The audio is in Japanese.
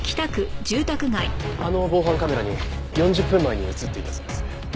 あの防犯カメラに４０分前に映っていたそうです。